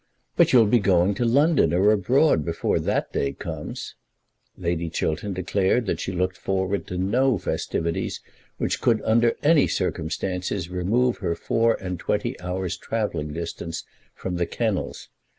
"But you'll be going to London or abroad before that day comes." Lady Chiltern declared that she looked forward to no festivities which could under any circumstances remove her four and twenty hours travelling distance from the kennels.